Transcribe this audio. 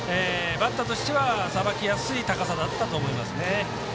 バッターとしてはさばきやすい高さだったと思います。